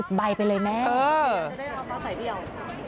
จะได้รับราวไข่เดียว